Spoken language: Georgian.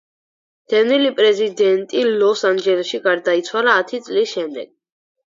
დევნილი პრეზიდენტი ლოს-ანჯელესში გარდაიცვალა ათი წლის შემდეგ.